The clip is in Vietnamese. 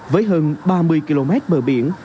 với hơn ba mươi km bờ biển